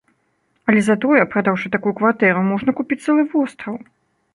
Але затое, прадаўшы такую кватэру, можна купіць цэлы востраў!